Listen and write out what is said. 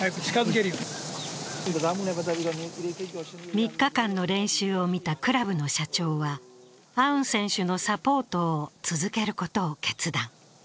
３日間の練習を見たクラブの社長はアウン選手のサポートを続けることを決断。